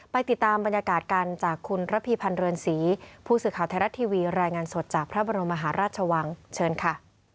ไปติดตามบรรยากาศกันจากคุณระพีพันธ์เรือนศรีผู้สื่อข่าวไทยรัฐทีวีรายงานสดจากพระบรมมหาราชวังเชิญค่ะ